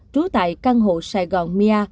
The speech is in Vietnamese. trú tại căn hộ sài gòn mia